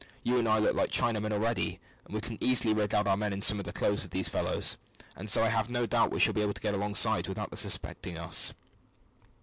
You and I look like Chinamen already, and we can easily rig out our men in some of the clothes of these fellows, and so I have no doubt we shall be able to get alongside without their suspecting us."